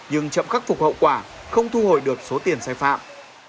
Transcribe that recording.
nhưng chậm khắc phục hậu quả không thu hồi được số tiền sai phạm